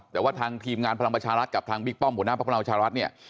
แต่ว่าทางทีมงานพลังประชารัฐกับทางบิ๊กป้อมหัวหน้าพักพลังประชารัฐเนี่ย